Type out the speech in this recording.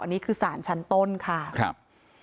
อันนี้คือสารชั้นต้นค่ะครับ